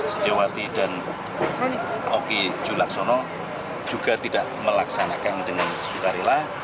setiawati dan oki jalul laksoni juga tidak melaksanakan dengan sesudah rela